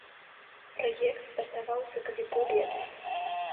Праект стартаваў у сакавіку летась.